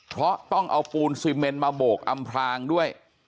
เพราะต้องเอาปูนซีเมนมาโบกอำพลางด้วย